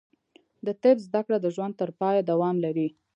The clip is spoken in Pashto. د طب زده کړه د ژوند تر پایه دوام لري.